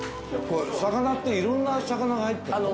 魚っていろんな魚が入ってるの？